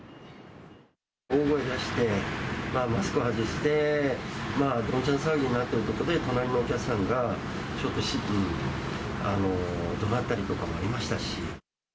大声出して、マスク外して、どんちゃん騒ぎになってるということで、隣のお客さんがちょっとどなったりとかもありましたし。